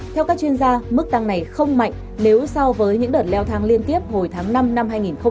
theo các chuyên gia mức tăng này không mạnh nếu so với những đợt leo thang liên tiếp hồi tháng năm năm hai nghìn một mươi chín